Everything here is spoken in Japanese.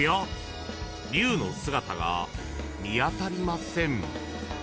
龍の姿が見当たりません］